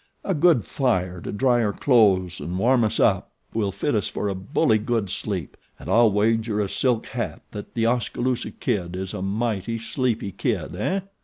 A good fire to dry our clothes and warm us up will fit us for a bully good sleep, and I'll wager a silk hat that The Oskaloosa Kid is a mighty sleepy kid, eh?"